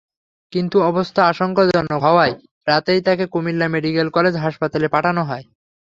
কিন্তু অবস্থা আশঙ্কাজনক হওয়ায় রাতেই তাঁকে কুমিল্লা মেডিকেল কলেজ হাসপাতালে পাঠানো হয়।